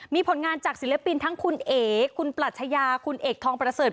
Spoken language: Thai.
มีผลงานจากศิลปินทั้งคุณเอ๋คุณปรัชญาคุณเอกทองประเสริฐ